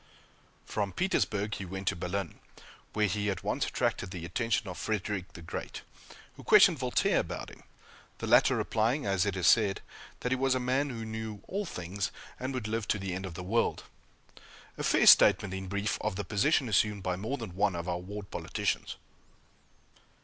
From Petersburg he went to Berlin, where he at once attracted the attention of Frederick the Great, who questioned Voltaire about him; the latter replying, as it is said, that he was a man who knew all things, and would live to the end of the world a fair statement, in brief, of the position assumed by more than one of our ward politicians!